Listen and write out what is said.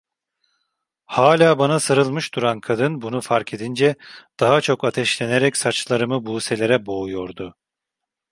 Hâlâ bana sarılmış duran kadın bunu fark edince daha çok ateşlenerek saçlarımı buselere boğuyordu.